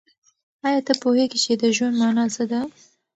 آیا ته پوهېږې چې د ژوند مانا څه ده؟